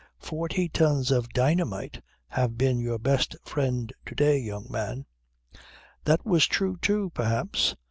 Forty tons of dynamite have been your best friend to day, young man." "That was true too, perhaps.